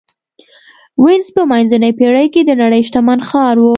وینز په منځنۍ پېړۍ کې د نړۍ شتمن ښار و.